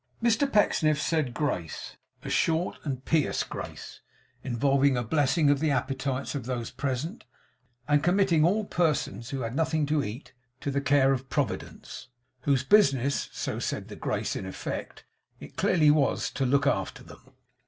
Mr Pecksniff said grace a short and pious grace, involving a blessing on the appetites of those present, and committing all persons who had nothing to eat, to the care of Providence; whose business (so said the grace, in effect) it clearly was, to look after them.